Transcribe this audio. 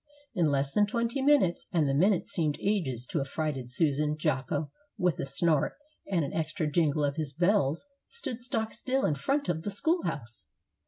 In less than twenty minutes, and the minutes seemed ages to affrighted Susan, Jocko, with a snort and an extra jingle of his bells, stood stock still in front of the school house.